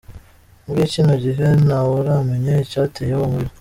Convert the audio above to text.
Muri kino gihe ntawuramenya icateye uwo muriro.